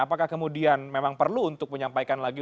apakah kemudian memang perlu untuk menyampaikan lagi